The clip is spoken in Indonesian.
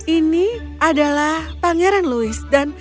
ini adalah pangeran louis dan